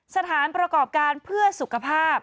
สถานประกอบการเพื่อสุขภาพ